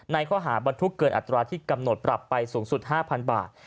ข้อหาบรรทุกเกินอัตราที่กำหนดปรับไปสูงสุด๕๐๐บาท